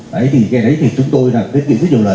đấy thì cái đấy thì chúng tôi là cái điều ký hiệu lợi